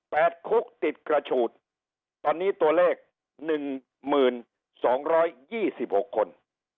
คุกติดกระฉูดตอนนี้ตัวเลขหนึ่งหมื่นสองร้อยยี่สิบหกคน